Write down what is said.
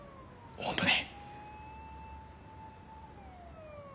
本当に。